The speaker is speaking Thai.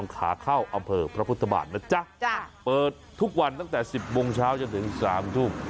ขาเข้าอำเภอพระพุทธบาทนะจ๊ะเปิดทุกวันตั้งแต่๑๐โมงเช้าจนถึง๓ทุ่ม